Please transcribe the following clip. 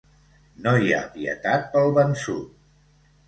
No hi ha pietat pel vençut.